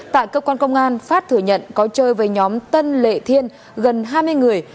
tại cơ quan công an phát thừa nhận có chơi với nhóm tân lệ thiên gần hai mươi người